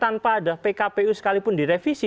tanpa ada pkpu sekalipun direvisi